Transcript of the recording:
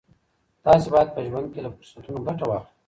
تاسي باید په ژوند کي له فرصتونو ګټه واخلئ.